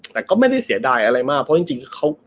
แต่ก็ไม่ได้เสียดายอะไรมากเพราะจริงเขา